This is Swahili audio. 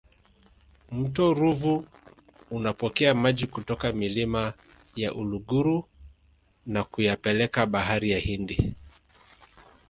mto ruvu unapokea maji kutoka milima ya uluguru na kuyapeleka bahari ya hindi